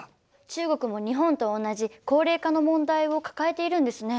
中国も日本と同じ高齢化の問題を抱えているんですね。